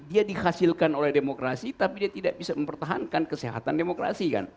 dia dihasilkan oleh demokrasi tapi dia tidak bisa mempertahankan kesehatan demokrasi kan